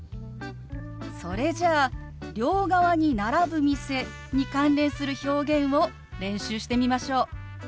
それじゃあ「両側に並ぶ店」に関連する表現を練習してみましょう。